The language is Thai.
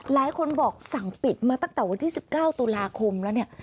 หลายคนบอกสั่งปิดมาตั้งแต่วันที่๑๙ตุลาคมแล้วเนี่ย